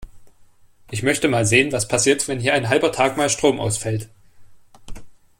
Ich möchte mal sehen, was passiert, wenn hier ein halber Tag mal Strom ausfällt.